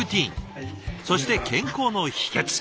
そして健康の秘けつ。